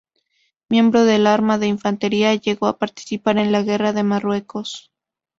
Miembro del arma de infantería, llegó a participar en la Guerra de Marruecos.